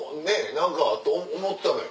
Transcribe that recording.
何かと思ったのよ。